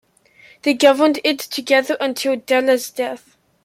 They governed it together until Dela's death.